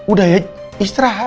udah ya istirahat